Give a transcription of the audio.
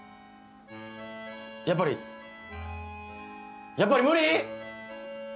やっぱりやっぱり無理？